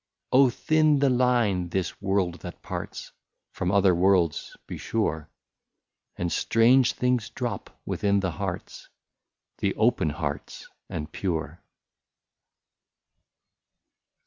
" Oh ! thin the line this world that parts From other worlds, be sure ; And strange things drop within the hearts, The open hearts and pure."